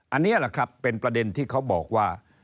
อันนี้แหละครับเป็นประเด็นที่เขาบอกว่า